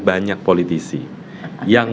banyak politisi yang